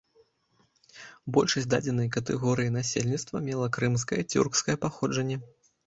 Большасць дадзенай катэгорыі насельніцтва мела крымскае цюркскае паходжанне.